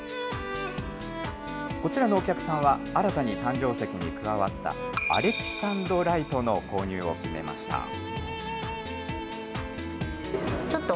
こちらのお客さんは、新たに誕生石に加わったアレキサンドライトの購入を決めました。